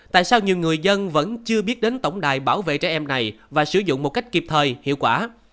tại sao nhiều người dân vẫn chưa biết đến tổng đài bảo vệ trẻ em này và sử dụng một cách kịp thời hiệu quả